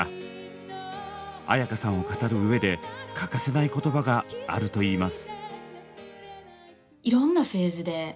絢香さんを語るうえで欠かせない言葉があるといいます。